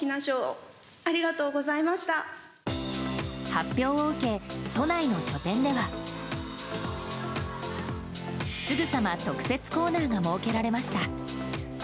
発表を受け、都内の書店ではすぐさま特設コーナーが設けられました。